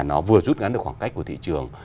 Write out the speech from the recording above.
nó vừa rút ngắn được khoảng cách của thị trường